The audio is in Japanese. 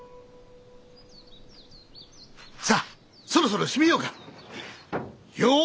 さあそろそろ締めようか？